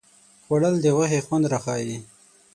خوړل د غوښې خوند راښيي